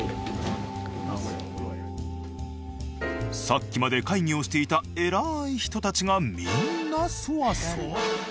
さっきまで会議をしていた偉い人たちがみんなソワソワ。